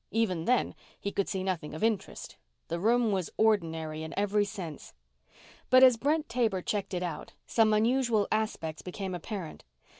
Even then, he could see nothing of interest the room was ordinary in every sense. But as Brent Taber checked it out, some unusual aspects became apparent.